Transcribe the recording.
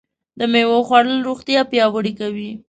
د مېوو خوړل روغتیا پیاوړې کوي.